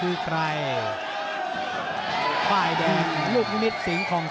หรือว่าผู้สุดท้ายมีสิงคลอยวิทยาหมูสะพานใหม่